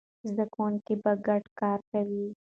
زده کوونکي به ګډ کار کوي.